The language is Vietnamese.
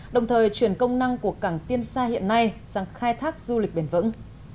đồng thời chuyển công năng của cảng tiên sa hiện nay sang khai thác du lịch bền vững